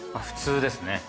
普通ですね。